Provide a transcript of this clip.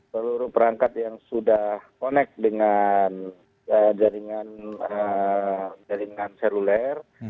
seluruh perangkat yang sudah connect dengan jaringan seluler